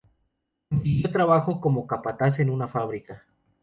Consiguió trabajó como capataz en una fábrica.